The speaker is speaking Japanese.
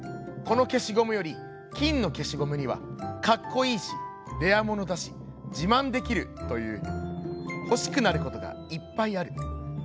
このけしゴムより金のけしゴムには『かっこいいしレアものだしじまんできる』というほしくなることがいっぱいある。